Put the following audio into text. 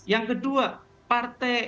yang kedua partai